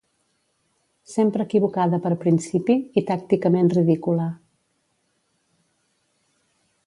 Sempre equivocada per principi, i tàcticament ridícula.